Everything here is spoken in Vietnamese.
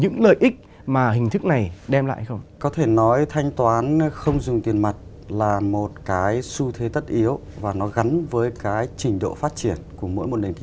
sử dụng phương tiện thanh toán không dùng tiền mặt trong mua sắm tiêu dùng